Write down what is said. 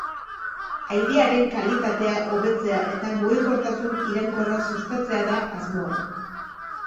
Airearen kalitatea hobetzea eta mugikortasun iraunkorra sustatzea da asmoa.